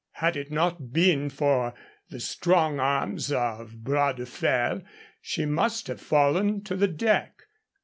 Had it not been for the strong arms of Bras de Fer she must have fallen to the deck.